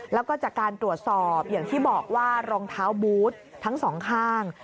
แล้วก็จากการตรวจสอบอย่างที่บอกว่ารองเท้าบูธทั้งสองข้าง